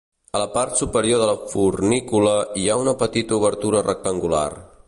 A la part superior de la fornícula hi ha una petita obertura rectangular.